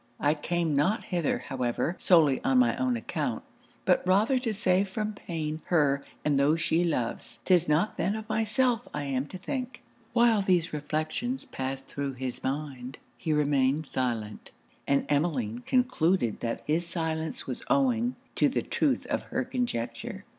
I came not hither, however, solely on my own account, but rather to save from pain, her and those she loves. 'Tis not then of myself I am to think.' While these reflections passed thro' his mind, he remained silent; and Emmeline concluded that his silence was owing to the truth of her conjecture.